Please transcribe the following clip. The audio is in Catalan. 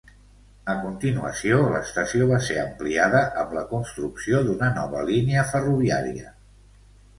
A continuació, l'estació va ser ampliada amb la construcció d'una nova línia ferroviària.